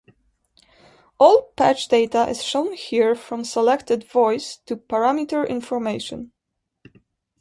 All patch data is shown here from selected voice to parameter information.